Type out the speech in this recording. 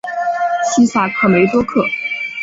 西萨克梅多克。